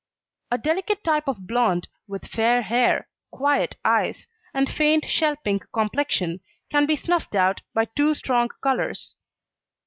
A delicate type of blond, with fair hair, quiet eyes and faint shell pink complexion, can be snuffed out by too strong colours.